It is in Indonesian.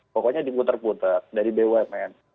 pokoknya di putar putar dari bumn